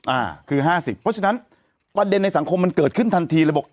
อ่าคือห้าสิบเพราะฉะนั้นประเด็นในสังคมมันเกิดขึ้นทันทีเลยบอก